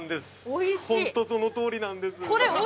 ホントそのとおりなんです！